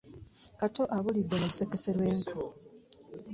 Kato abulidde lusekese lw'enku.